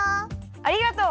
ありがとう。